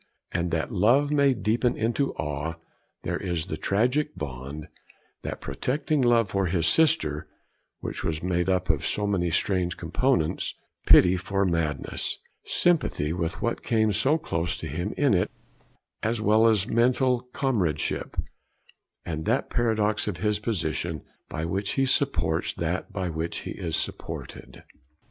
And, that love may deepen into awe, there is the tragic bond, that protecting love for his sister which was made up of so many strange components: pity for madness, sympathy with what came so close to him in it, as well as mental comradeship, and that paradox of his position, by which he supports that by which he is supported.